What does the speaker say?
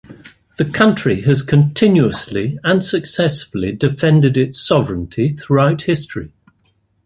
The country has continuously and successfully defended its sovereignty throughout history.